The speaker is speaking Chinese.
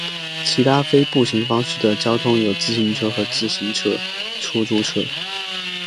其他非步行方式的交通有自行车和自行车出租车。